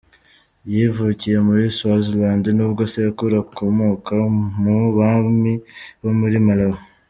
Yavukiye muri Swaziland nubwo sekuru akomoka mu bami bo muri Malawi.